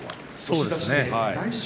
そうですね。